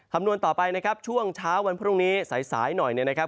คำนวณต่อไปนะครับช่วงเช้าวันพรุ่งนี้สายหน่อยเนี่ยนะครับ